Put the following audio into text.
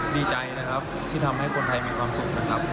ดีใจนะครับที่ทำให้คนไทยมีความสุขนะครับ